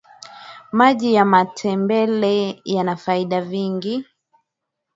maji ya matembele yana faida vingi